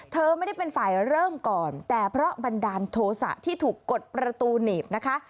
เธอไม่ได้เป็นฝ่ายเริ่มก่อนแต่เพราะบันดาลโทษะที่ถูกกดประตูหนีบนะคะ